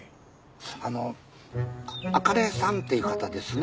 あのあかねさんっていう方ですね。